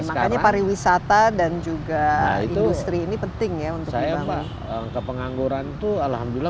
makanya pariwisata dan juga industri ini penting ya untuk saya bangsa kepengangguran tuh alhamdulillah